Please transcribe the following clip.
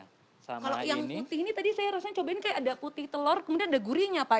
kalau yang putih ini tadi saya rasa cobain kayak ada putih telur kemudian ada gurinya pak